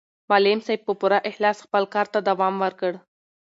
معلم صاحب په پوره اخلاص خپل کار ته دوام ورکړ.